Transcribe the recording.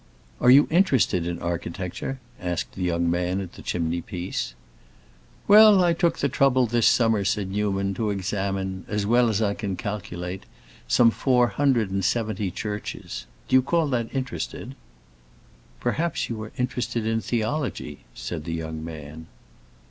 "Are you interested in architecture?" asked the young man at the chimney piece. "Well, I took the trouble, this summer," said Newman, "to examine—as well as I can calculate—some four hundred and seventy churches. Do you call that interested?" "Perhaps you are interested in theology," said the young man.